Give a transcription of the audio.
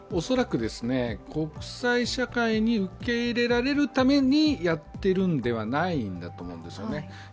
恐らく国際社会に受け入れられるためにやっているんではないんだと思うんですよね。